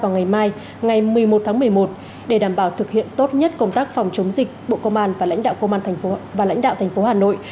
vào ngày mai ngày một mươi một tháng một mươi một để đảm bảo thực hiện tốt nhất công tác phòng chống dịch bộ công an và lãnh đạo thành phố hà nội